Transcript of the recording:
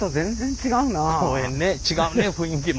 違うね雰囲気も。